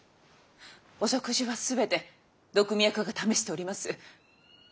お食事は全て毒味役が試しております。